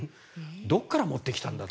どこから持ってきたんだと。